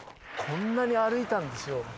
こんなに歩いたんですよ。